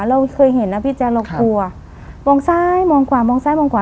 เราเคยเห็นนะพี่แจ๊คเรากลัวมองซ้ายมองขวามองซ้ายมองขวา